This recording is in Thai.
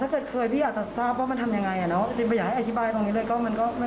อ๋อถ้าเกิดเคยพี่อาจจะทราบว่ามันทำยังไงนะอยากให้อธิบายตรงนี้เลยก็ไม่ค่อยสุภาพเท่าไหร่